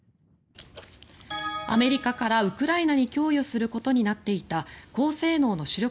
アメリカからウクライナに供与することになっていた高性能の主力